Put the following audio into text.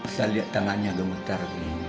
saya lihat tangannya dong ntar